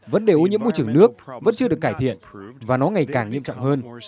vấn đề ô nhiễm môi trường nước vẫn chưa được cải thiện và nó ngày càng nghiêm trọng hơn